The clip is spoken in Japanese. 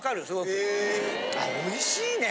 あおいしいね！